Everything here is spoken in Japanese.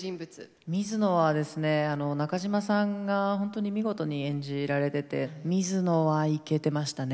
水野はですね中島さんが本当に見事に演じられてて水野はイケてましたね。